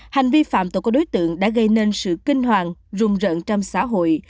hành vi phạm tội của đối tượng đã gây nên sự kinh hoàng rùng rợn trong xã hội